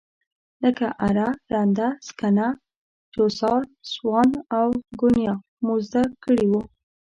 لکه اره، رنده، سکنه، چوسار، سوان او ګونیا مو زده کړي وو.